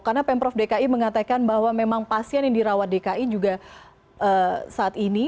karena pemprov dki mengatakan bahwa memang pasien yang dirawat dki juga saat ini